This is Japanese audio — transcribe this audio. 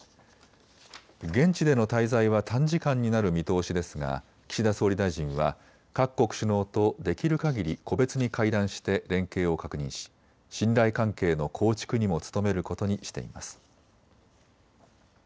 現地での滞在は短時間になる見通しですが岸田総理大臣は各国首脳とできるかぎり個別に会談して連携を確認し信頼関係の構築にも努めることにしています。